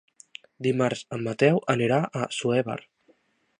Dimarts en Mateu anirà a Assuévar.